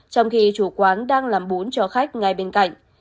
trong khi chủ quán đang làm bốn cho khách ngay bên cạnh